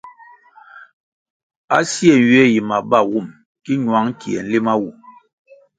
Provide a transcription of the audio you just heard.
A sie nywie yi mabawum ki ñwang kie nlima wu.